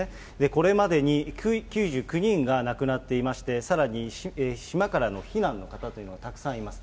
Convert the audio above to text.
これまでに９９人が亡くなっていまして、さらに、島からの避難の方というのはたくさんいます。